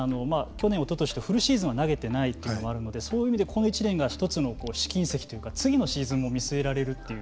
去年おととしとフルシーズンは投げてないというのはあるのでそういう意味でこの１年が１つの試金石というか次のシーズンも見据えられるという。